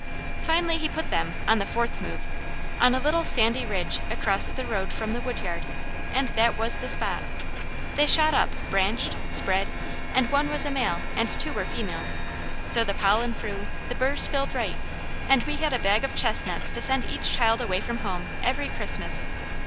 Finally, he put them, on the fourth move, on a little sandy ridge across the road from the wood yard, and that was the spot. They shot up, branched, spread, and one was a male and two were females, so the pollen flew, the burrs filled right, and we had a bag of chestnuts to send each child away from home, every Christmas.